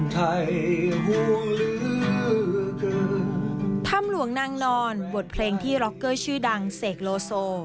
ห่วงลือถ้ำหลวงนางนอนบทเพลงที่ร็อกเกอร์ชื่อดังเสกโลโซ